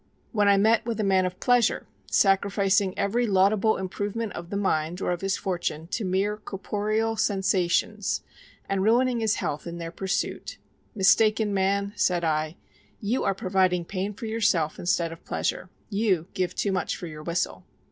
When I met with a man of pleasure, sacrificing every laudable improvement of the mind or of his fortune to mere corporeal sensations, and ruining his health in their pursuit, Mistaken man, said I, you are providing pain for yourself instead of pleasure; you give too much for your whistle.